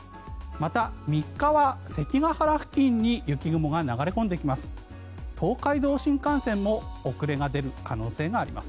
また、３日は関ケ原付近に雪雲が流れ込んできます。